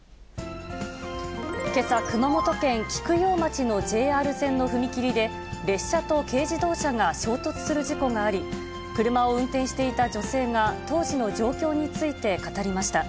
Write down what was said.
けさ、熊本県菊陽町のＪＲ線の踏切で、列車と軽自動車が衝突する事故があり、車を運転していた女性が、当時の状況について語りました。